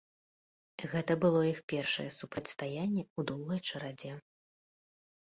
Гэта было іх першае супрацьстаянне ў доўгай чарадзе.